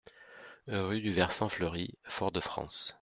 Rue du Versant Fleuri, Fort-de-France